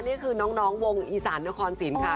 นี่คือน้องวงอีสานนครสินค่ะ